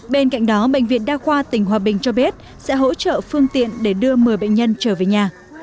bên cạnh đó bệnh viện đa khoa tỉnh hòa bình cho biết sẽ hỗ trợ phương tiện để đưa một mươi bệnh nhân trở về nhà